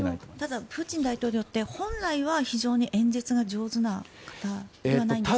ただプーチン大統領って本来は非常に演説が上手な方ではないんですか？